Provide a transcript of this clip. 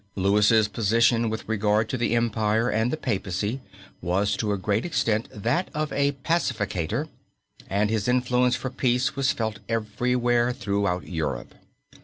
Louis' position with regard to the Empire and the Papacy was to a great extent that of a pacificator, and his influence for peace was felt everywhere throughout Europe.